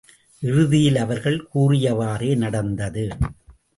இறுதியில் அவர்கள் கூறியவாறே நடந்தது.